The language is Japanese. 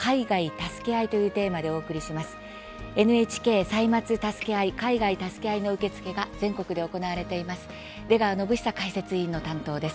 「ＮＨＫ歳末たすけあい」「海外たすけあい」の受付が全国で行われています。